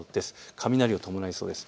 雷を伴いそうです。